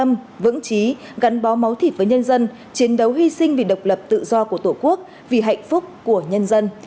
đảng luôn bền tâm vững chí gắn bó máu thịt với nhân dân chiến đấu hy sinh vì độc lập tự do của tổ quốc vì hạnh phúc của nhân dân